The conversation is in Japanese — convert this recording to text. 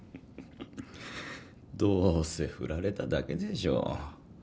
どうせ振られただけでしょ？